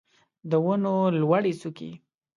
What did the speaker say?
د ونو لوړې څوکې